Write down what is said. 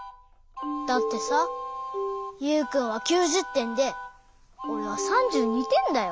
だってさユウくんは９０てんでおれは３２てんだよ。